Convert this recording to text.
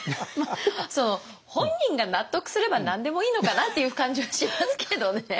その本人が納得すれば何でもいいのかなという感じはしますけどね。